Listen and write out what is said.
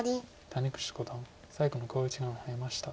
谷口五段最後の考慮時間に入りました。